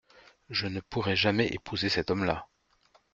Je ne pourrai jamais épouser cet homme-là !